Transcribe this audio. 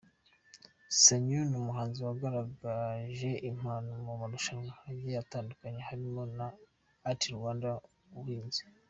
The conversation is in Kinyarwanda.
Sanyu n'umuhanzi wagaragaje impano mu marushanwa agiye atandukanye harimo na ArtRwanda Ubuhanzi.